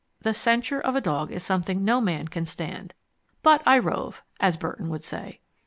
The censure of a dog is something no man can stand. But I rove, as Burton would say.